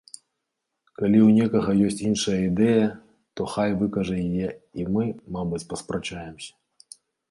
Калі ў некага ёсць іншая ідэя, то хай выкажа яе і мы, мабыць, паспрачаемся.